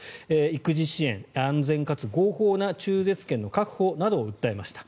育児支援、安全かつ合法な中絶権の確保などを訴えました。